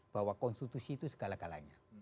bahwa konstitusi itu segala galanya